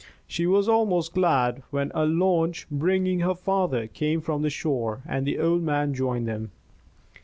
She was almost glad when a launch bringing her father came from the shore, and the old man joined them.